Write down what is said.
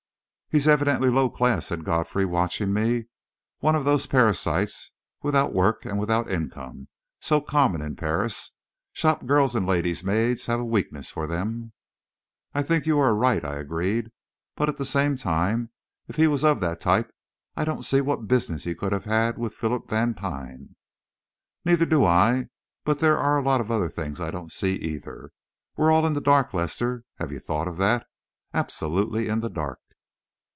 "He's evidently low class," said Godfrey, watching me. "One of those parasites, without work and without income, so common in Paris. Shop girls and ladies' maids have a weakness for them." "I think you are right," I agreed; "but, at the same time, if he was of that type, I don't see what business he could have had with Philip Vantine." "Neither do I; but there are a lot of other things I don't see, either. We're all in the dark, Lester; have you thought of that? Absolutely in the dark."